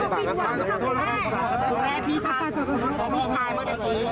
ภาระสุดท้ายครับแม่ตอนนี้หลังจากคนที่ดู